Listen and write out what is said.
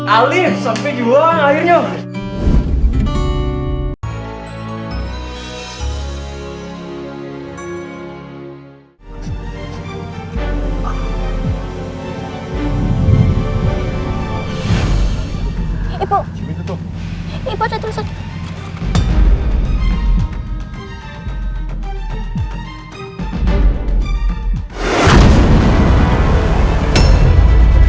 alif sampai juang akhirnya